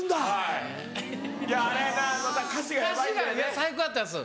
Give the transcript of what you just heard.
最高だったんです。